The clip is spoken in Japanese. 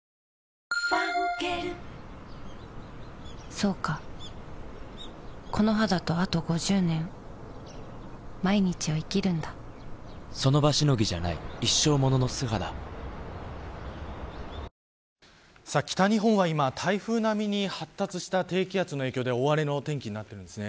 そうかこの肌とあと５０年その場しのぎじゃない一生ものの素肌北日本は今、台風並みに発達した低気圧の影響で大荒れの天気になっています。